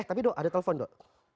eh tapi doh ada telepon doh